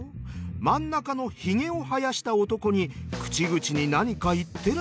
真ん中の髭を生やした男に口々に何か言ってるみたいです。